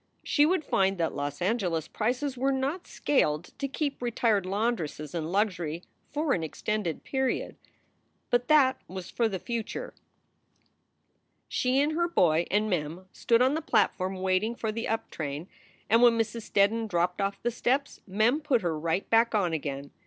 She would find that Los Angeles prices were net scaled to keep retired laundresses in luxury for an extended ^eriod. But that was for the future. 14 202 SOULS FOR SALE She and her boy and Mem stood on the platform, waiting for the up train, and when Mrs. Steddon dropped off the steps Mem put her right back on again.